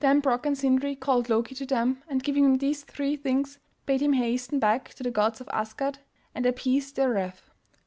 Then Brok and Sindri called Loki to them and giving him these three things bade him hasten back to the gods at Asgard and appease their wrath.